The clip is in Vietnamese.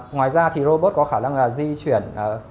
ngoài ra thì robot có khả năng là di chuyển